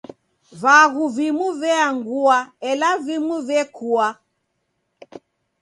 Vaghu vimu veangua, ela vimu vekua.